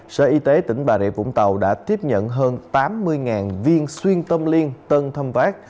sở y tế tỉnh bà rịa vũng tàu đã tiếp nhận hơn tám mươi viên xuyên tâm liên tân thâm vác